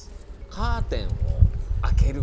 「カーテンを開ける」。